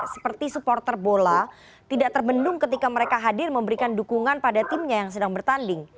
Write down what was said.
jadi supporter bola tidak terbendung ketika mereka hadir memberikan dukungan pada timnya yang sedang bertanding